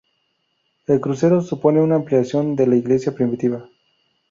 El crucero supone una ampliación de la iglesia primitiva.